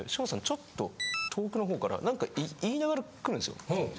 ちょっと遠くの方から何か言いながら来るんですよ。